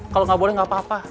kalau gak boleh gak apa apa